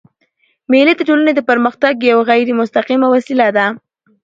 مېلې د ټولني د پرمختګ یوه غیري مستقیمه وسیله ده.